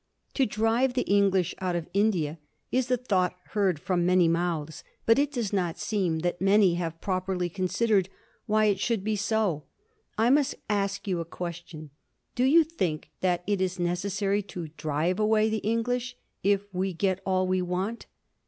To drive the English out of India is a thought heard from many mouths, but it does not seem that many have properly considered why it should be so. I must ask you a question. Do you think that it is necessary to drive away the English, if we get all we want?